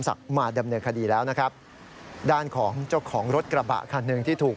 มาดำเนินคดีแล้วนะครับด้านของเจ้าของรถกระบะคันหนึ่งที่ถูก